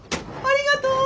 ありがとう！